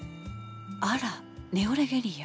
あらネオレゲリア。